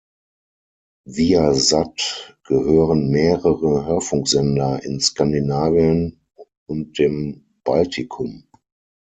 Viasat gehören mehrere Hörfunksender in Skandinavien und dem Baltikum.